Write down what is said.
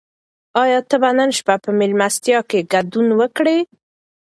آیا ته به نن شپه په مېلمستیا کې ګډون وکړې؟